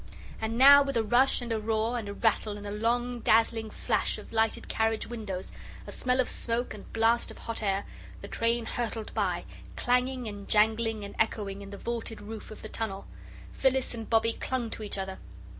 And now, with a rush and a roar and a rattle and a long dazzling flash of lighted carriage windows, a smell of smoke, and blast of hot air, the train hurtled by, clanging and jangling and echoing in the vaulted roof of the tunnel. Phyllis and Bobbie clung to each other.